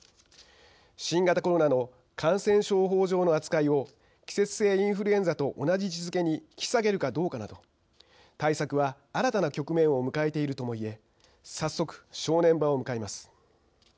新型コロナの感染症法上の扱いを季節性インフルエンザと同じ位置づけに引き下げるかどうかなど対策は新たな局面を迎えているともいえ早速、正念場を迎えます。